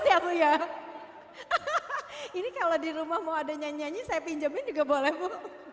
seakan ku bisa hidup lebih lama